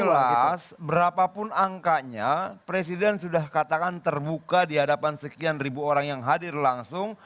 jelas berapapun angkanya presiden sudah katakan terbuka di hadapan sekian ribu orang yang hadir langsung